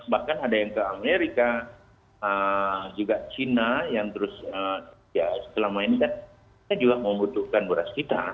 bahkan ada yang ke amerika juga china yang terus ya selama ini kan juga membutuhkan beras kita